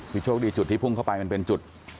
คือโชคดีจุดที่พุ่งเข้าไปมันเป็นจุด